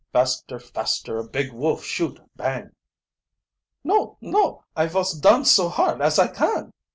Faster, faster, or Big Wolf shoot, bang!" "No, no; I vos dance so hard as I can!"